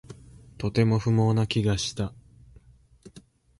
とても不毛な気がした